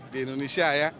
di indonesia ya